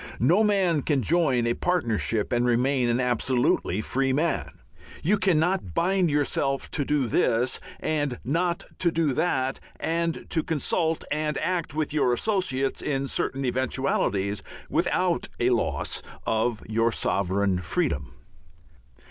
No man can join a partnership and remain an absolutely free man. You cannot bind yourself to do this and not to do that and to consult and act with your associates in certain eventualities without a loss of your sovereign freedom.